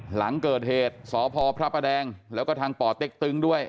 หลังเกิดเหตุสพพระประแดงแล้วก็ทางป่อเต็กตึงด้วย